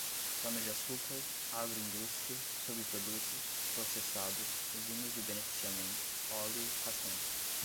cana-de-açúcar, agroindústria, subprodutos, processados, usinas de beneficiamento, óleo, rações